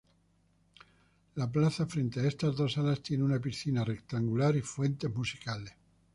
La plaza frente a estas dos alas tiene una piscina rectangular y fuentes musicales.